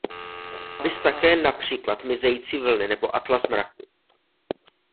Viz také například Mizející vlny nebo Atlas mraků.